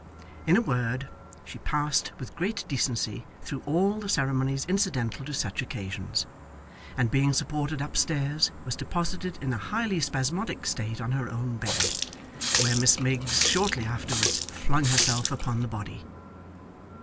In a word, she passed with great decency through all the ceremonies incidental to such occasions; and being supported upstairs, was deposited in a highly spasmodic state on her own bed, where Miss Miggs shortly afterwards flung herself upon the body.